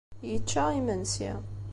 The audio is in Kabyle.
Yečča imensi.